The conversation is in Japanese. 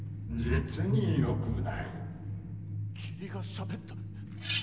霧がしゃべった。